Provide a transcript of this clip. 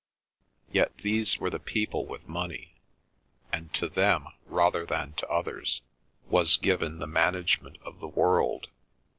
Yet these were the people with money, and to them rather than to others was given the management of the world.